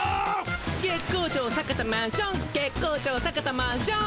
月光町坂田マンション月光町坂田マンション。